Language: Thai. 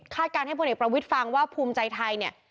การให้พลเอกประวิทย์ฟังว่าภูมิใจไทยเนี่ย